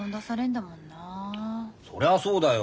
そりゃあそうだよ。